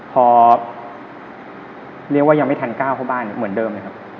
พอเรียกว่ายังไม่ทัน๙เพราะบ้านเหมือนเดิมนะครับ